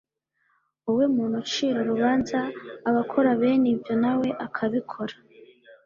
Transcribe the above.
Wowe muntu ucira urubanza abakora bene ibyo nawe ukabikora